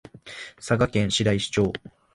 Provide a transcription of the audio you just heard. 佐賀県白石町